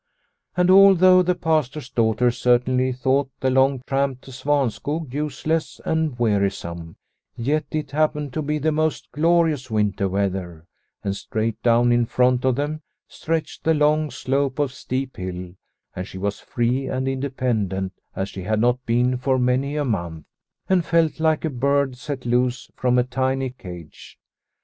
And although the Pastor's daughter certainly thought the long tramp to Svanskog useless and wearisome, yet it happened to be the most glorious winter weather, and straight down in front of them stretched the long slope of a steep hill, and she was free and independent as she had not been for many a month, and felt like a bird set loose from a tiny cage.